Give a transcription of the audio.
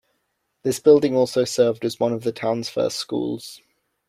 This building also served as one of the town's first schools.